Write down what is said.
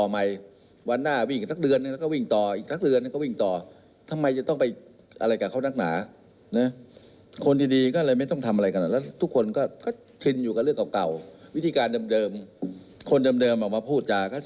หลักเนี่ยท่านนายกเขาพูด